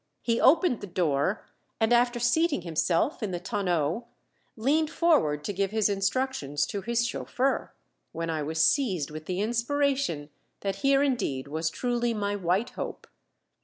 He opened the door, and after seating himself in the tonneau leaned forward to give his instructions to his chauffeur, when I was seized with the inspiration that here indeed was truly my White Hope.